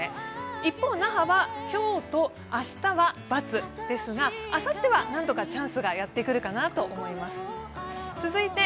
一方、那覇は今日と明日は×ですがあさってはなんとかチャンスがやってくるかなと思います。